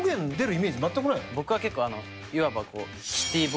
僕は結構いわば。